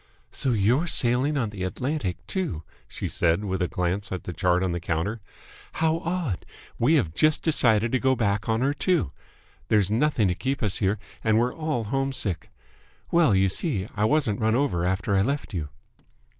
"So you're sailing on the Atlantic, too!" she said, with a glance at the chart on the counter. "How odd! We have just decided to go back on her too. There's nothing to keep us here and we're all homesick. Well, you see I wasn't run over after I left you."